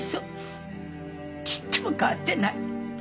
ちっとも変わってない。